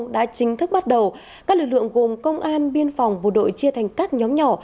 đã chính thức bắt đầu các lực lượng gồm công an biên phòng bộ đội chia thành các nhóm nhỏ